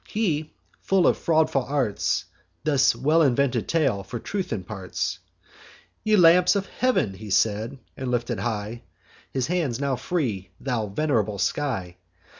He, full of fraudful arts, This well invented tale for truth imparts: 'Ye lamps of heav'n!' he said, and lifted high His hands now free, 'thou venerable sky!